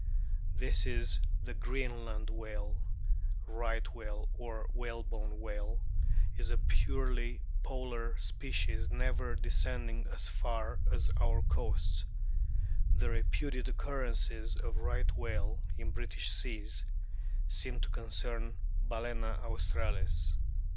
This, the Greenland whale, Right whale or whalebone whale, is a purely polar species, never descending as far as RIGHT WHALES 127 our coasts ; the reputed occurrences of Right whale in British seas seem to concern Balana australis.